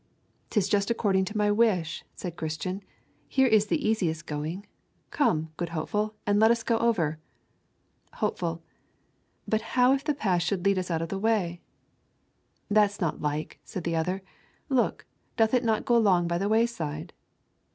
''Tis just according to my wish,' said Christian; 'here is the easiest going. Come, good Hopeful, and let us go over.' Hopeful: 'But how if the path should lead us out of the way?' 'That's not like,' said the other; 'look, doth it not go along by the wayside?'